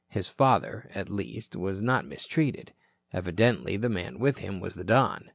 His father, at least, was not mistreated. Evidently the man with him was the Don.